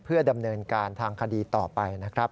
เพื่อดำเนินการทางคดีต่อไปนะครับ